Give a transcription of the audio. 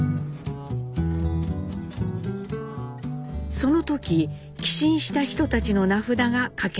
その時寄進した人たちの名札が掛けられています。